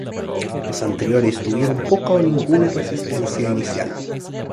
Los anteriores tuvieron poca o ninguna resistencia inicial.